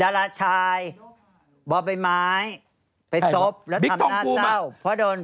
ดาราชายบ่อไปไม้ไปซบแล้วทำหน้าเศร้า